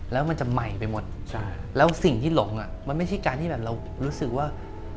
แล้วมันจะใหม่ไปหมดแล้วสิ่งที่หลงอ่ะมันไม่ใช่การที่แบบเรารู้สึกว่า